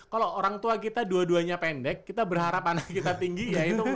kalo orang tua kita dua duanya pendek kita berharap anak kita tinggi ya itu mustahil ya